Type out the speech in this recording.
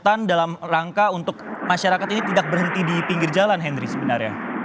kegiatan dalam rangka untuk masyarakat ini tidak berhenti di pinggir jalan hendry sebenarnya